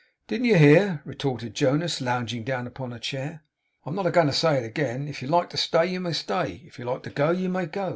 'Didn't you hear?' retorted Jonas, lounging down upon a chair. 'I am not a going to say it again. If you like to stay, you may stay. If you like to go, you may go.